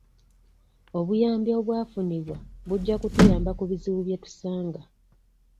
Obuyambi obwafunibwa bujja kutuyamba ku bizibu bye tusanga.